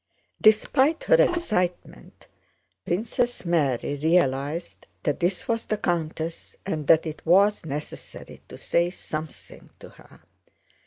Despite her excitement, Princess Mary realized that this was the countess and that it was necessary to say something to her.